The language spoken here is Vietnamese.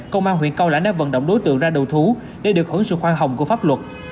công an huyện cao lãnh đã vận động đối tượng ra đầu thú để được hưởng sự khoan hồng của pháp luật